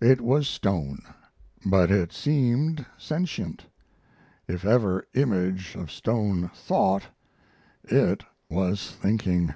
It was stone, but it seemed sentient. If ever image of stone thought, it was thinking.